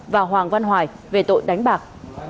và hoàng văn hoài về tội đánh bạc